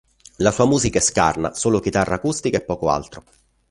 La sua musica è scarna, solo chitarra acustica e poco altro.